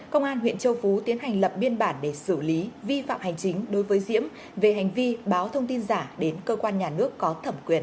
công an huyện châu phú tiến hành lập biên bản để xử lý vi phạm hành chính đối với diễm về hành vi báo thông tin giả đến cơ quan nhà nước có thẩm quyền